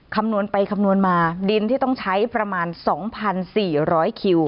คำนวณไปคำนวณมาดินที่ต้องใช้ประมาณ๒๔๐๐คิว